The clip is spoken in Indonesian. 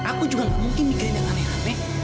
aku juga gak mungkin mikirin yang aneh aneh